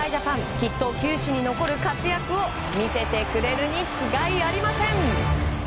きっと球史に残る活躍を見せてくれるに違いありません。